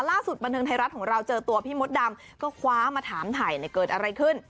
บันเทิงไทยรัฐของเราเจอตัวพี่มดดำก็คว้ามาถามถ่ายเกิดอะไรขึ้น